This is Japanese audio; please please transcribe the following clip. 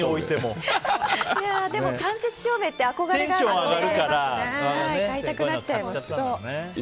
でも間接照明って憧れがあるので買いたくなっちゃいますよね。